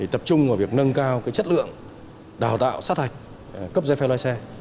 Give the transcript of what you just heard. tập trung vào việc nâng cao chất lượng đào tạo sát hạch cấp dây phe loại xe